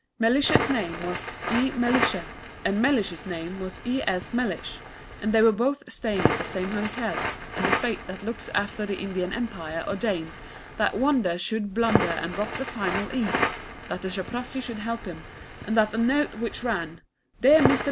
Mellishe's name was E. Mellishe, and Mellish's was E.S. Mellish, and they were both staying at the same hotel, and the Fate that looks after the Indian Empire ordained that Wonder should blunder and drop the final 'e'; that the Chaprassi should help him, and that the note which ran DEAR MR.